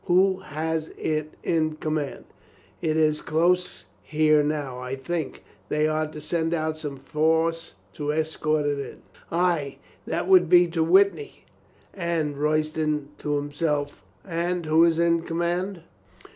Who has it in command?" "It is close here now, I think. They are to send out some force to escort it in." 230 COLONEL GREATHEART "Ay, that will be to Witney," said Royston to himself. "And who is in command?"